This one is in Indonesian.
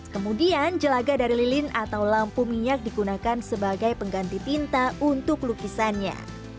kemudian jelaga dari lilin atau lampu minyak digunakan sebagai pengganti tinta untuk lukisannya